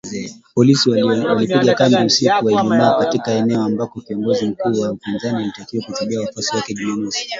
Polisi walipiga kambi usiku wa Ijumaa katika eneo ambako kiongozi mkuu wa upinzani alitakiwa kuhutubia wafuasi wake Jumamosi